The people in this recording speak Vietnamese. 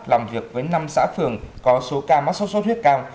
làm việc với năm xã phường có số ca mắc sốt xuất huyết cao